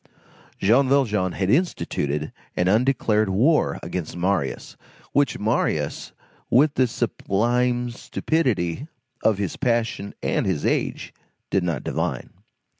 Jean Valjean had instituted an undeclared war against Marius, which Marius, with the sublime stupidity of his passion and his age, did not divine.